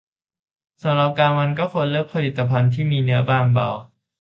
สำหรับกลางวันก็ควรเลือกผลิตภัณฑ์ที่มีเนื้อบางเบา